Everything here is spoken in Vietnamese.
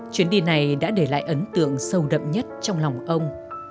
chuyến đi này đã để lại ấn tượng sâu đậm nhất trong lòng ông